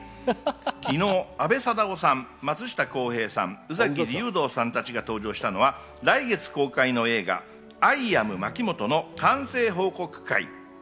昨日、阿部サダヲさん、松下洸平さん、宇崎竜童さんたちが登場したのは来月公開の映画『アイ・アムまきもと』の完成報告会。